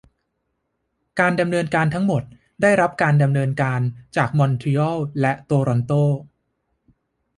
การดำเนินการทั้งหมดได้รับการดำเนินการจากมอนทรีออลและโตรอนโต